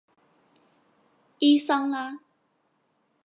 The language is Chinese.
伊桑拉。